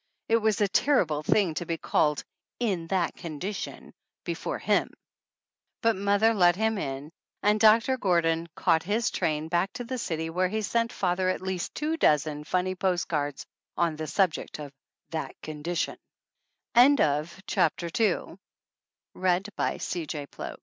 It was a terrible thing to be called "in that condition" before him! But mother let him in, and Doctor Gordon caught his train back to the city where he sent father at least two dozen funny post cards on the subject of "that